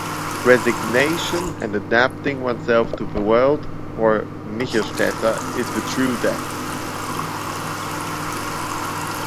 Resignation and adapting oneself to the world, for Michelstaedter, is the true death.